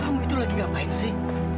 kamu itu lagi ngapain sih